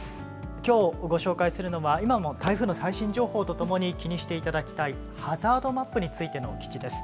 きょうご紹介するのは、今も台風の最新情報とともに気にしていただきたいハザードマップについての記事です。